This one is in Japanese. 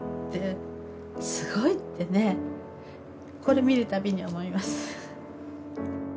これ見るたびに思います。